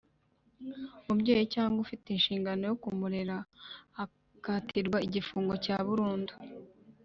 umubyeyi cyangwa ufite ishingano yo kumurera akatirwa igifungo cya burundu.